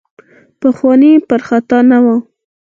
پخواني پر خطا نه وو.